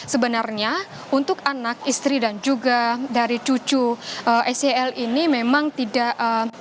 sebenarnya untuk anak istri dan juga dari cucu secl ini memang tidak